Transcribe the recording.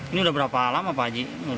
ini udah berapa lama pak haji